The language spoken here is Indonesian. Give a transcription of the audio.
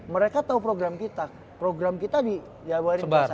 mereka tau program kita program kita di jawa indonesia sana